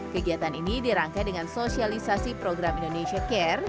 kegiatan ini dirangkai dengan sosialisasi program indonesia care